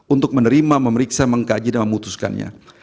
untuk menerima memeriksa mengkaji dan memutuskannya